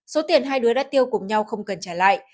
số tiền hai đứa đã tiêu cùng nhau không cần trả lại